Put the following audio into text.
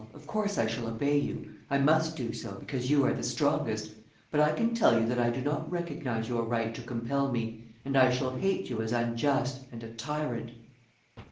Of course I shall obey you; I must do so, because you are the strongest, but I can tell you that I do not recognise your right to compel me, and I shall hate you as unjust, and a tyrant."